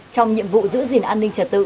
trong nhiệm vụ giữ gìn an ninh trật tự